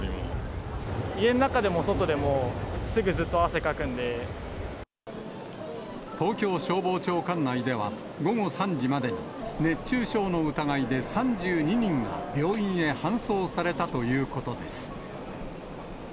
家の中でも外でも、東京消防庁管内では、午後３時までに熱中症の疑いで３２人が病院へ搬送されたということです。